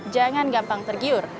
jangan gampang tergiur